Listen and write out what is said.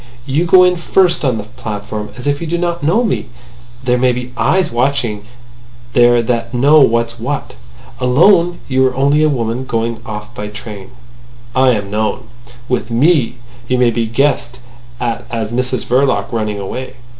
You go in first on the platform, as if you did not know me. There may be eyes watching there that know what's what. Alone you are only a woman going off by train. I am known. With me, you may be guessed at as Mrs Verloc running away.